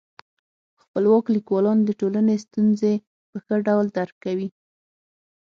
خپلواک لیکوالان د ټولني ستونزي په ښه ډول درک کوي.